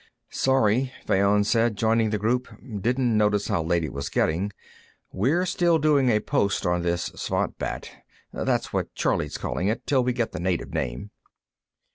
"Sorry," Fayon said, joining the group. "Didn't notice how late it was getting. We're still doing a post on this svant bat; that's what Charley's calling it, till we get the native name.